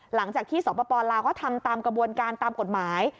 หลังจากที่สปลาวเขาทำตามกระบวนการตามกฎหมาย